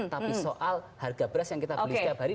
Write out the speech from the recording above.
tapi soal harga beras yang kita beli setiap hari